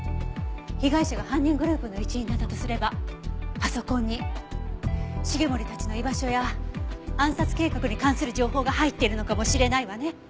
被害者が犯人グループの一員だったとすればパソコンに繁森たちの居場所や暗殺計画に関する情報が入っているのかもしれないわね。